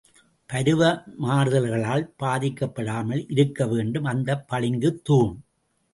பருவ மாறுதல்களால் பாதிக்கப்படாமல் இருக்கவேண்டும் அந்தப் பளிங்குத் தூண்!